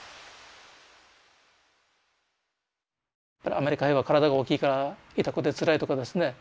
アメリカ兵は体が大きいから痛くてつらいとかですね。